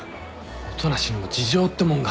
音無にも事情ってもんが。